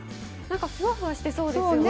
ふわふわしてそうですよね。